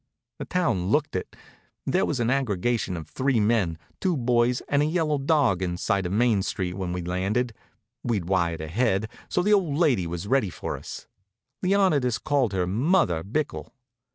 The town looked it. There was an aggregation of three men, two boys and a yellow dog in sight on Main Street when we landed. We'd wired ahead, so the old lady was ready for us. Leonidas called her "Mother" Bickell.